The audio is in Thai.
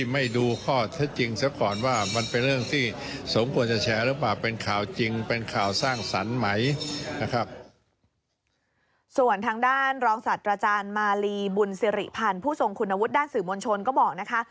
ผู้ทรงคุณวุฒิด้านสื่อมวลชนก็บอกนะคะ